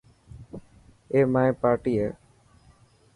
اي مائي پارٽي هي.